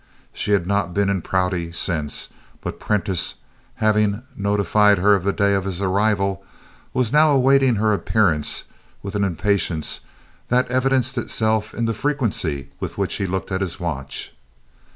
She had not been in Prouty since, but Prentiss, having notified her of the day of his arrival, was now awaiting her appearance with an impatience that evidenced itself in the frequency with which he looked at his watch.